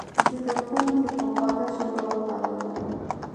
زه د ښوونکي په خوږه ژبه وغولېدم.